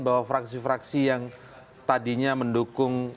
bahwa fraksi fraksi yang tadinya mendukung